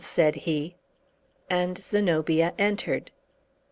said he. And Zenobia entered.